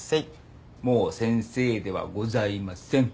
もう先生ではございません。